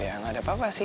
ya gak ada apa apa sih